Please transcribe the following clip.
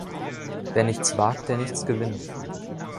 Wer nichts wagt, der nichts gewinnt.